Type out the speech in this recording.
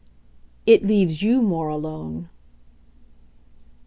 "It leaves you more alone."